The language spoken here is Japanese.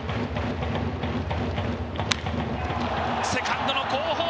セカンドの後方。